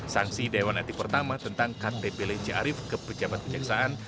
sanksi dewan etik pertama tentang kartu dplnc arief ke pejabat penyaksaan